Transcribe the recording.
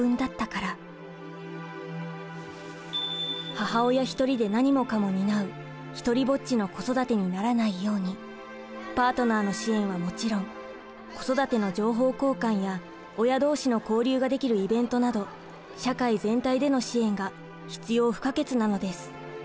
母親一人で何もかも担う独りぼっちの「孤育て」にならないようにパートナーの支援はもちろん子育ての情報交換や親同士の交流ができるイベントなど社会全体での支援が必要不可欠なのです。